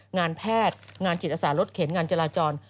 งานแพทย์งานจิตอาสารถเข็นงานจราจร